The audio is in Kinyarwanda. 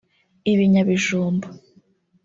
ibinyabijumba